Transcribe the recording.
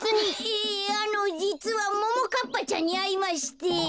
ええあのじつはももかっぱちゃんにあいまして。